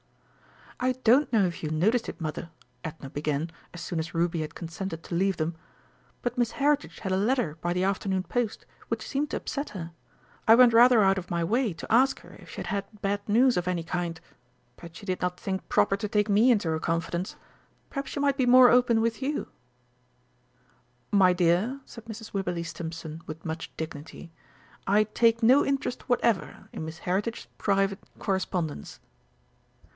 "I don't know if you noticed it, Mother," Edna began, as soon as Ruby had consented to leave them, "but Miss Heritage had a letter by the afternoon post which seemed to upset her. I went rather out of my way to ask her if she had had bad news of any kind, but she did not think proper to take me into her confidence. Perhaps she might be more open with you." "My dear," said Mrs. Wibberley Stimpson, with much dignity, "I take no interest whatever in Miss Heritage's private correspondence."